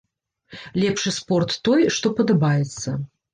Лепшы спорт той, што падабаецца.